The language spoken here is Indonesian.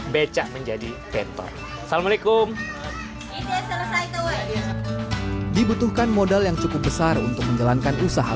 becak menjadi bentor assalamualaikum dibutuhkan modal yang cukup besar untuk menjalankan usaha